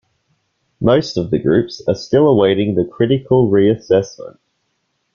Most of the groups are still awaiting the critical re-assessment.